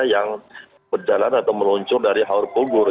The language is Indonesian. yang berjalan atau meluncur dari haurpugur